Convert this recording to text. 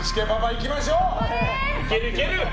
いける、いける！